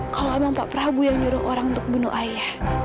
kalau emang pak prabowo yang nyuruh orang untuk bunuh ayah